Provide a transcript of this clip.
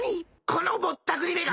このぼったくりめが！